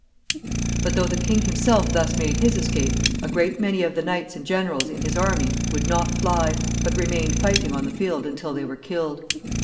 But, though the king himself thus made his escape, a great many of the knights and generals in his army would not fly, but remained fighting on the field until they were killed.